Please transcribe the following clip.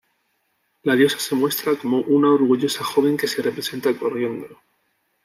La diosa se muestra como una orgullosa joven que se representa corriendo.